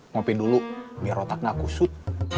mopi dulu biar otak nakusut